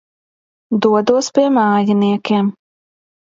Dodos pie mājiniekiem.